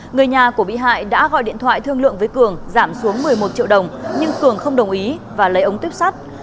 người nhà của bị hại đã gọi điện thoại thương lượng với cường giảm xuống một mươi một triệu đồng nhưng cường không đồng ý và lấy ống tuyếp sắt